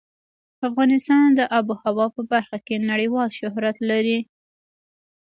افغانستان د آب وهوا په برخه کې نړیوال شهرت لري.